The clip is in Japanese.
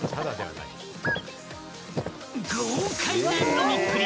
豪快な飲みっぷり！